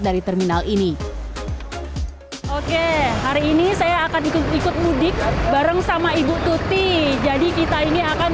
dari terminal ini oke hari ini saya akan ikut ikut mudik bareng sama ibu tuti jadi kita ini akan